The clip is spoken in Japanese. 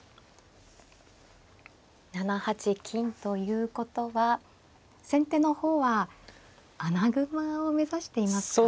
７八金ということは先手の方は穴熊を目指していますか。